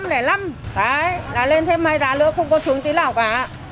đấy là lên thêm hai giá nữa không có xuống tí lò cả